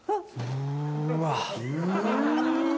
うわ。